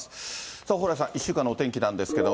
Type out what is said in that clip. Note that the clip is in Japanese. さあ、蓬莱さん、１週間のお天気なんですけど。